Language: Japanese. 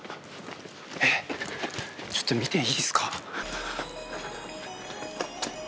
えっちょっと見ていいですか？